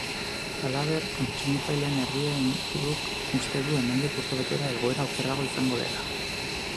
Halaber, kontsumitzaileen erdia inguruk uste du hemendik urtebetera egoera okerragoa izango dela.